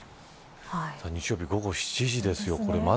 日曜日、午後７時ですよ。